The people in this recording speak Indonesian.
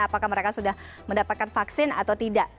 apakah mereka sudah mendapatkan vaksin atau tidak